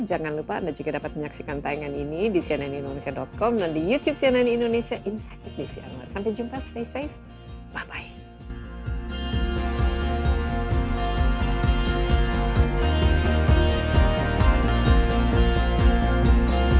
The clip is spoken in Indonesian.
jangan lupa anda juga dapat menyaksikan tayangan ini di cnn indonesia com dan di youtube cnn indonesia insight with desi anwar